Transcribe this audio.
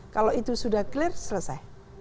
kalau itu sudah clear selesai